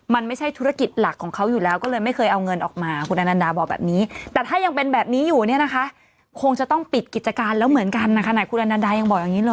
บ้านคุณอันดาอีกซอยเดียวกัน